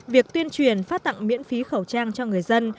việc tuyên truyền phát tặng miễn phí khẩu trang cho người dân